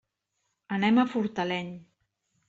Anem a Fortaleny.